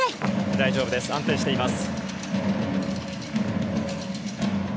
大丈夫です、安定しています。